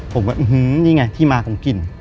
ผมก็อื้อฮือนี่ไงที่มาคงกลิ่น